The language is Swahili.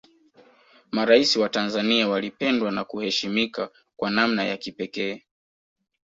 maraisi wa tanzania walipendwa na kuheshimika kwa namna ya kipekee